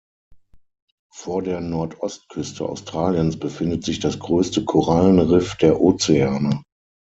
Vor der Nordostküste Australiens befindet sich das größte Korallenriff der Ozeane.